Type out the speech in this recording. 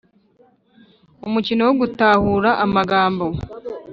Umukino wo gutahura amagambo